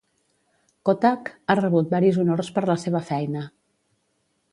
Kottak ha rebut varis honors per la seva feina.